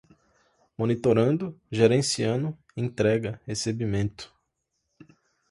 monitorando, gerenciando, entrega, recebimento